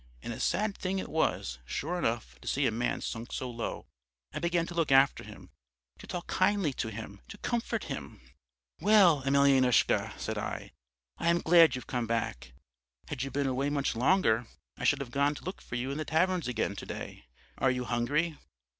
And a sad thing it was, sure enough, to see a man sunk so low. I began to look after him, to talk kindly to him, to comfort him. "'Well, Emelyanoushka,' said I, 'I am glad you've come back. Had you been away much longer I should have gone to look for you in the taverns again to day. Are you hungry?'